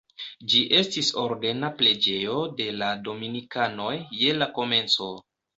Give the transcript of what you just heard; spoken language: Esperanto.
Ĝi estis ordena preĝejo de la dominikanoj je la komenco.